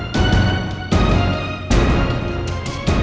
masih banyaknya orang orang diri vik whereas kamu